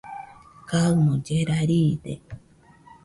kaɨmo llera riide